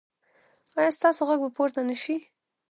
ایا ستاسو غږ به پورته نه شي؟